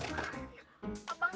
orang adek bang